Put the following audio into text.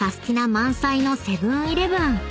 満載のセブン−イレブン］